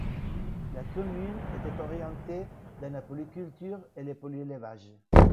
La commune était orientée dans la polyculture et le polyélevage.